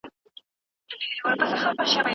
هغه سړی چې سپینه ږیره لري ډېر تجربه کار دی.